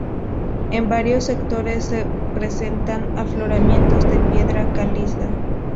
En varios sectores se presentan afloramientos de piedra caliza.